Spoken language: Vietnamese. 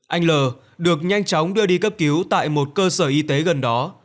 anh l được nhanh chóng đưa đi cấp cứu tại một cơ sở y tế gần đó